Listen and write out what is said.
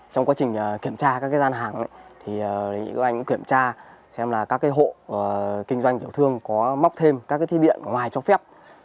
trong quá trình kiểm tra các gian hàng thì các anh cũng kiểm tra xem là các hộ kinh doanh tiểu thương có móc thêm các thiết bị điện ngoài cho phép